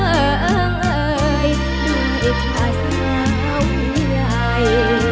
เอ่อเอ่อเอ่อดูอีกภาษาเข้าใหญ่